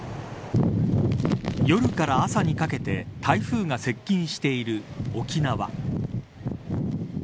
夜から朝にかけて台風が接近している沖縄。